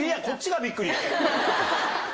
こっちがびっくり。